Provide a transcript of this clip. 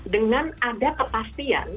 dengan ada kepastian